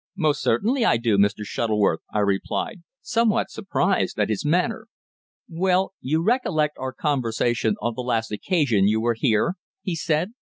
"Most certainly I do, Mr. Shuttleworth," I replied, somewhat surprised at his manner. "Well, you recollect our conversation on the last occasion you were here?" he said.